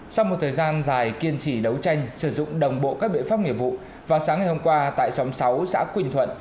sau một thời gian dài kiên trì đấu tranh sử dụng đồng bộ các biện pháp nghiệp vụ vào sáng ngày hôm qua tại xóm sáu xã quỳnh thuận